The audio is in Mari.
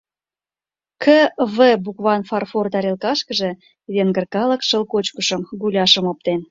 «К.В.» букван фарфор тарелкышкыже венгр калык шыл кочкышым, гуляшым оптен.